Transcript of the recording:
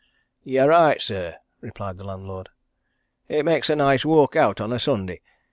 "You're right, sir," replied the landlord. "It makes a nice walk out on a Sunday.